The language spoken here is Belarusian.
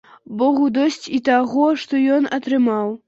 Богу досыць і таго, што ён атрымаў.